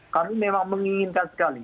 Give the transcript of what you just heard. kami memang menginginkan sekali